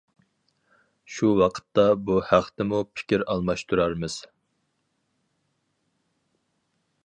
شۇ ۋاقىتتا بۇ ھەقتىمۇ پىكىر ئالماشتۇرارمىز.